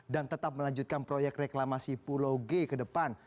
dan tetap melanjutkan proyek reklamasi pulau g ke depan